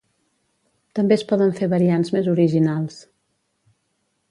També es poden fer variants més originals.